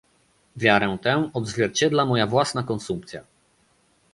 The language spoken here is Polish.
Wiarę tę odzwierciedla moja własna konsumpcja